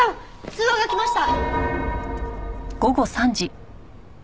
通話がきました！